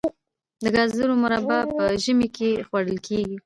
د ګازرو مربا په ژمي کې خوړل کیږي.